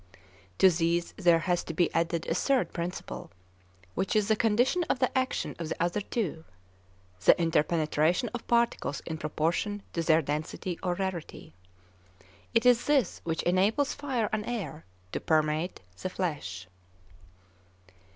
To these there has to be added a third principle, which is the condition of the action of the other two,—the interpenetration of particles in proportion to their density or rarity. It is this which enables fire and air to permeate the flesh.